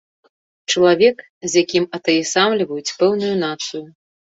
Чалавек, з якім атаясамліваюць пэўную нацыю.